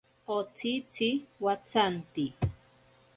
Otsitzi watsanti.